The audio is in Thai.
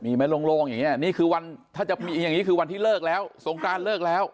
มีไหมโลงอย่างนี้นี่คือวันที่เลิกแล้วสงกรานเลิกแล้ว